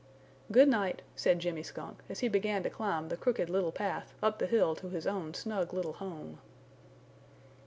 "Good night," said Jimmy Skunk as he began to climb the Crooked Little Path up the hill to his own snug little home.